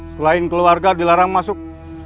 selain keluarga dilarang masuk